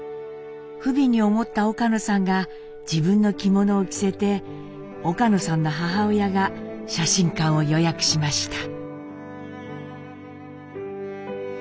不憫に思った岡野さんが自分の着物を着せて岡野さんの母親が写真館を予約しました。